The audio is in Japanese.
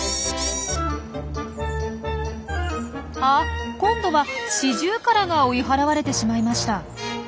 あ今度はシジュウカラが追い払われてしまいました。